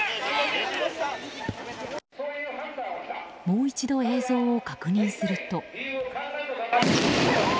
もう一度、映像を確認すると。